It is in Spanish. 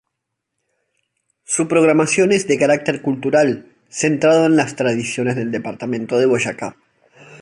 Su programación es de carácter cultural, centrado en las tradiciones del departamento de Boyacá.